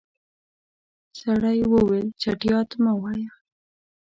سړی وويل چټياټ مه وايه.